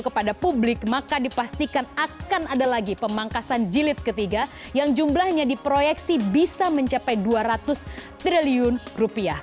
kepada publik maka dipastikan akan ada lagi pemangkasan jilid ketiga yang jumlahnya diproyeksi bisa mencapai dua ratus triliun rupiah